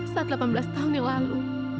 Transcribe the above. saat delapan belas tahun yang lalu